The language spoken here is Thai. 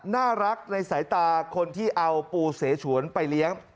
น่ารักในสายตาคนที่เอาปูเสฉวนไปเลี้ยง